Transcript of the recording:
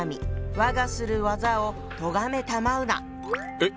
えっ！